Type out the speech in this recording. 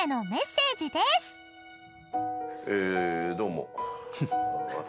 「えどうも」